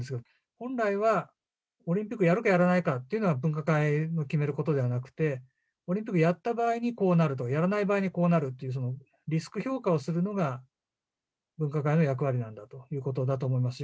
本来は、オリンピックやるかやらないかというのは、分科会の決めることではなくて、オリンピックやった場合にこうなると、やらない場合にこうなるというリスク評価をするのが分科会の役割なんだということなんだと思いますよ。